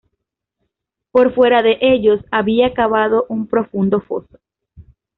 Por fuera de ellos habían cavado un profundo foso.